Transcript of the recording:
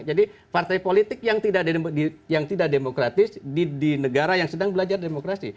jadi partai politik yang tidak demokratis di negara yang sedang belajar demokrasi